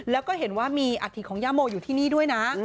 แล้วก็เห็นว่ามีอาธิของย่าโมอยู่ที่นี่ด้วยนะ